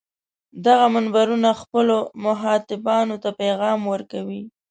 دغه منبرونه خپلو مخاطبانو ته پیغام ورکوي.